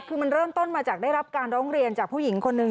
คือมันเริ่มต้นมาจากได้รับการร้องเรียนจากผู้หญิงคนนึง